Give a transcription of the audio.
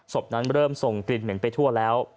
ศพนั้นเริ่มส่งกลิ่นเหม็นไปทั่วแล้ว